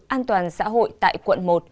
an toàn xã hội tại quận một